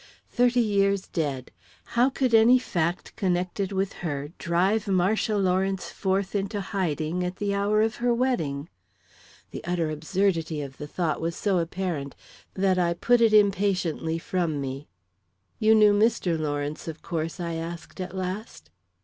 Thirty years dead how could any fact connected with her drive Marcia Lawrence forth into hiding at the hour of her wedding? The utter absurdity of the thought was so apparent that I put it impatiently from me. "You knew Mr. Lawrence, of course?" I asked, at last.